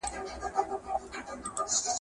زه اجازه لرم چي کتابونه وليکم؟!؟!